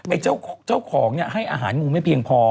เจ้าของเนี่ยให้อาหารงูไม่เพียงพอ